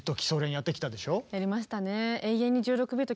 やりましたね。